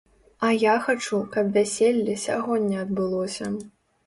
А я хачу, каб вяселле сягоння адбылося.